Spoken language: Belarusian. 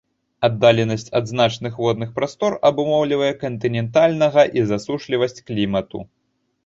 Аддаленасць ад значных водных прастор абумоўлівае кантынентальнага і засушлівасць клімату.